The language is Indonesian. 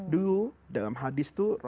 dulu dalam hadis itu